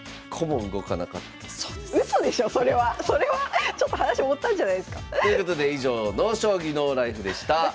そしてそれはちょっと話盛ったんじゃないですか？ということで「ＮＯ将棋ＮＯＬＩＦＥ」でした。